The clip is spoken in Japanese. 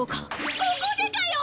ここでかよ！